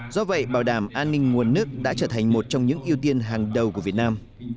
do vậy bảo đảm an ninh nguồn nước đã trở thành một trong những ưu tiên hàng đầu của việt nam